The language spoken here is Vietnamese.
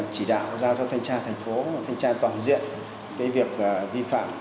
chỉ đạo giao cho thanh tra thành phố thanh tra toàn diện việc vi phạm